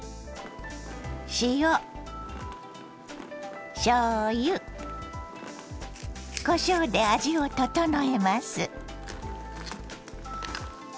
塩しょうゆこしょうで味を調えます。